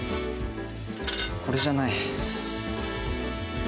これじゃない。